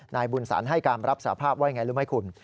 นายบุญสรรให้การรับสภาพไว้ไงรู้ไหมคุณ